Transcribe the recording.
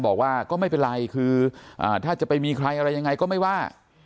บอกว่าก็ไม่เป็นไรคือถ้าจะไปมีใครอะไรยังไงก็ไม่ว่า